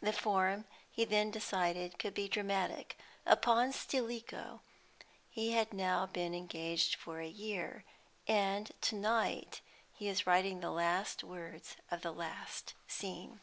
The form, he then decided, should be dramatic. Upon "Stilicho" he had now been engaged for a year, and to night he is writing the last words of the last scene.